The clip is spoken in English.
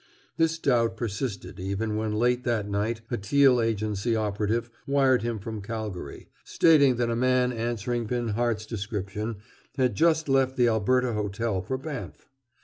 This doubt persisted even when late that night a Teal Agency operative wired him from Calgary, stating that a man answering Binhart's description had just left the Alberta Hotel for Banff.